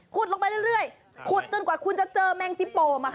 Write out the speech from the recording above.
ขุดลงไปเรื่อยจนกว่าคุณจะเจอแมงสิโปมาค่ะ